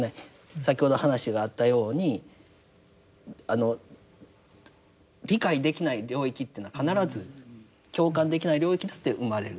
先ほど話があったように理解できない領域というのは必ず共感できない領域だって生まれる。